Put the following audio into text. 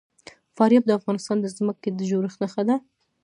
فاریاب د افغانستان د ځمکې د جوړښت نښه ده.